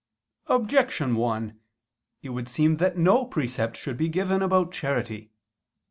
Objection 1: It would seem that no precept should be given about charity.